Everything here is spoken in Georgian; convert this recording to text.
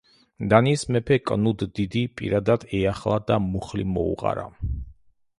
დანიის მეფე კნუდ დიდი პირადად ეახლა და მუხლი მოუყარა.